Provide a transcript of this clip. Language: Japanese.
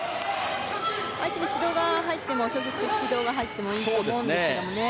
相手に指導が入っても正直、いいと思うんですけどね。